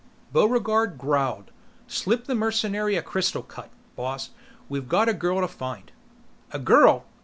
Buregarde growled, "Slip the mercenary a crystal cut, boss. We've got a girl to find!" "A girl?